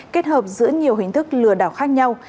kết hợp giữa nhiều hình thức lừa đảo khác nhau